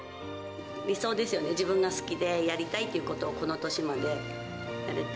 理想ですよね、自分が好きでやりたいっていうことを、この年までやれて。